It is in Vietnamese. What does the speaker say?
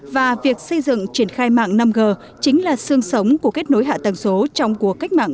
và việc xây dựng triển khai mạng năm g chính là sương sống của kết nối hạ tầng số trong cuộc cách mạng